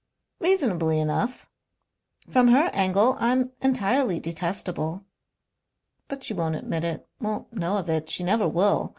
Reasonably enough. From her angle I'm entirely detestable. But she won't admit it, won't know of it. She never will.